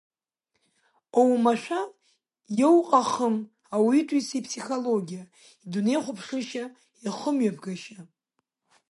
Оумашәа иоуҟахым ауаҩытәыҩса иԥсихологиа, идунеихәаԥшышьа, ихымҩаԥгашьа.